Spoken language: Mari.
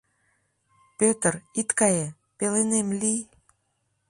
— Пӧтыр, ит кае, пеленем лий...